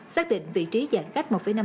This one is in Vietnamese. xác định vị trí giả cách một năm m